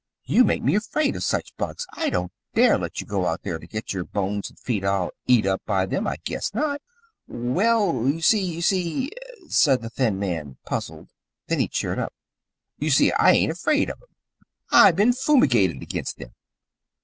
You make me afraid of such bugs. I don't dare let you go out there to get your bones and feet all eat up by them. I guess not!" "Well, you see you see " said the thin Santa Claus, puzzled, and then he cheered up. "You see, I ain't afraid of them. I've been fumigated against them.